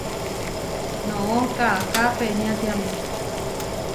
Noʼó kaʼáká peniátiame.